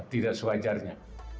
berarti dasar jarnya